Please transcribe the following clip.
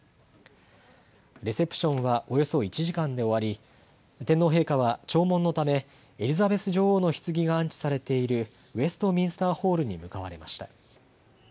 レセプションはおよそ１時間で終わり、天皇陛下は弔問のためエリザベス女王のひつぎが安置されているウェストミンスターホールに向かわれました。